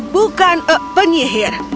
bukan ee penyihir